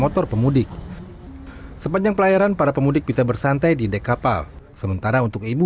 motor pemudik sepanjang pelayaran para pemudik bisa bersantai di dek kapal sementara untuk ibu